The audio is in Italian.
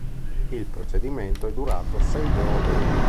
Il procedimento è durato sei giorni.